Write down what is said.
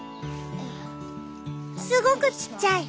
すごくちっちゃい。